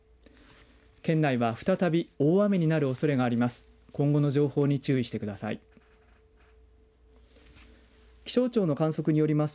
県内は再び大雨になるおそれがあります。